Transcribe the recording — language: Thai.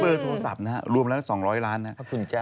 เบอร์โทรศัพท์นะฮะรวมแล้วก็๒๐๐ล้านบาทนะฮะ